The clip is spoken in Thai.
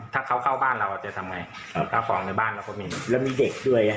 ถ้าเขาเข้าบ้านเราจะทำไงข้าวของในบ้านเราก็มีแล้วมีเด็กด้วย